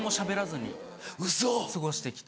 過ごして来て。